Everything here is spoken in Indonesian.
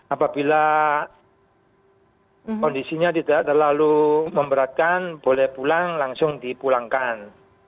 apabila kondisinya tidak terlalu memberatkan boleh pulang langsung dipulangkan